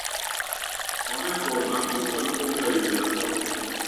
A református templom leírása